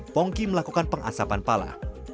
pongki melakukan pengasapan pala